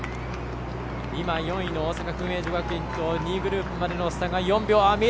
４位の大阪薫英女学院と２位グループまでの差が４秒。